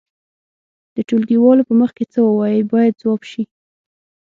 د ټولګيوالو په مخ کې څه ووایئ باید ځواب شي.